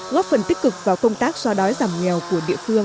góp phần tích cực vào công tác so đói giảm nghèo của địa phương